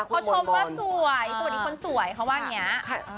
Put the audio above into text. พอชมว่าสวยเพราะอีกคนสวยเขาบอกอย่างงี้